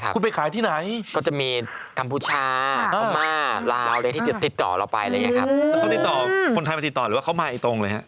แต่เขาติดต่อคนไทยมาติดต่อหรือว่าเขามาอีกตรงเลยฮะ